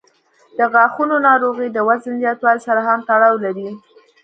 د غاښونو ناروغۍ د وزن زیاتوالي سره هم تړاو لري.